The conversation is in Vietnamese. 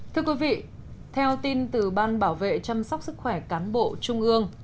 thưa quý vị theo tin từ ban bảo vệ chăm sóc sức khỏe cán bộ trung ương